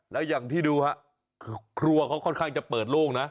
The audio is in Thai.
แล้วอย่างที่ดูฮะคือครัวเขาค่อนข้างจะเปิดโล่งนะ